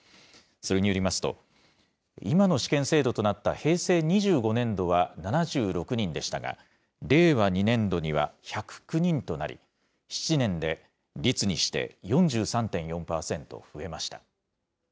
それによりますと、今の試験制度となった平成２５年度は７６人でしたが、令和２年度には１０９人となり、７年で、率にして４３．４％増えました。